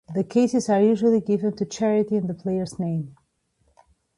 The cases are usually given to charity in the player's name.